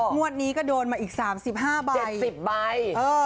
งวดนี้ก็โดนมาอีก๓๕ใบ๗๐ใบ